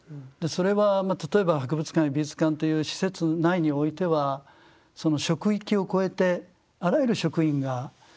それは例えば博物館や美術館という施設内においてはその職域を超えてあらゆる職員がそれに向けて努力をする。